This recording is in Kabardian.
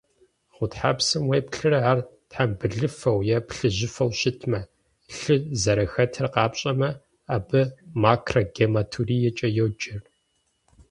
Гъутхьэпсым уеплърэ, ар тхьэмбылыфэу е плыжьыфэу щытмэ, лъы зэрыхэтыр къапщӏэмэ, абы макрогематуриекӏэ йоджэр.